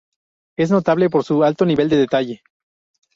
Es notable por su alto nivel de detalle.